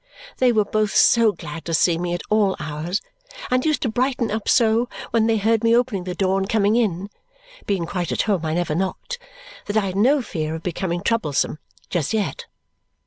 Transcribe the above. They were both so glad to see me at all hours, and used to brighten up so when they heard me opening the door and coming in (being quite at home, I never knocked), that I had no fear of becoming troublesome just yet.